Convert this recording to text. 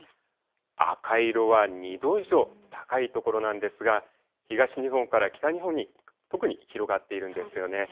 赤色は２度以上高い所なんですが、東日本から北日本に、特に広がっているんですよね。